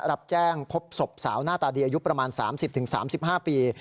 รับแจ้งพบศพสาวหน้าตาดีอายุประมาณ๓๐๓๕ปี